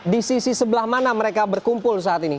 di sisi sebelah mana mereka berkumpul saat ini